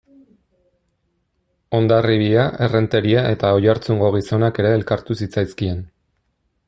Hondarribia, Errenteria eta Oiartzungo gizonak ere elkartu zitzaizkien.